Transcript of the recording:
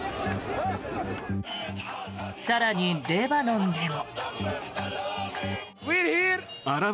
更に、レバノンでも。